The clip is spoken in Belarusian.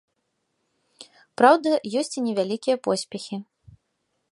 Праўда, ёсць і невялікія поспехі.